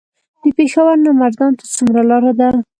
د پېښور نه مردان ته څومره لار ده؟